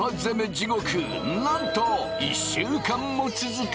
地獄なんと１週間も続く！